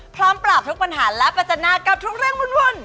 พร้อมปราบทุกปัญหาและประจันนากับทุกเรื่องวุ่น